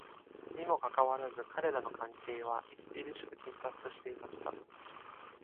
にもかかわらず彼らの関係は、著しく緊迫していました。